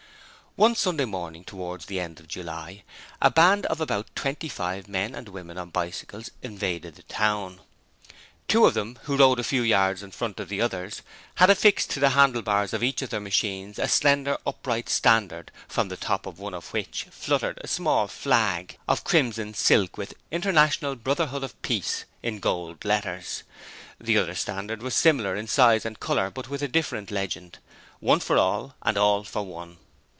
One Sunday morning towards the end of July, a band of about twenty five men and women on bicycles invaded the town. Two of them who rode a few yards in front of the others, had affixed to the handlebars of each of their machines a slender, upright standard from the top of one of which fluttered a small flag of crimson silk with 'International Brotherhood and Peace' in gold letters. The other standard was similar in size and colour, but with a different legend: 'One for all and All for one.'